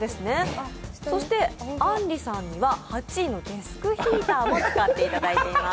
あんりさんには８位のデスクヒーターを使っていただいています。